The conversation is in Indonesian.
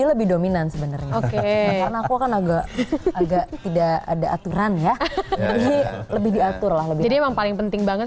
lebih dominan sebenarnya aku kan agak agak tidak ada aturan ya lebih diatur lebih penting banget